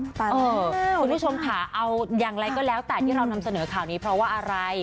คุณผู้ชมค่ะเอาอย่างไรก็แล้วแต่ที่เรานำเสนอข่าวนี้เพราะว่าอะไร